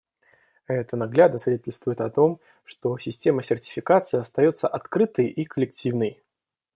Это наглядно свидетельствует о том, что Система сертификации остается открытой и коллективной.